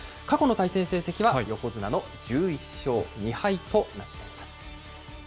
過去の対戦成績は横綱の１１勝２敗となっています。